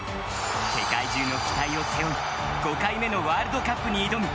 世界中の期待を背負い５回目のワールドカップに挑む。